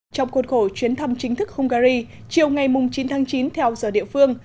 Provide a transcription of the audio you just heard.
trong cuộc khổ chuyến thăm chính thức hungary chiều ngày chín tháng chín theo giờ địa phương